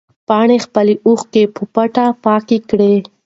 پاڼې خپلې اوښکې په پټه پاکې کړې.